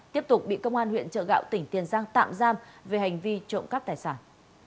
tiếp tục bị công an huyện trợ gạo tỉnh tiền giang tạm giam về hành vi trộm cắp tài sản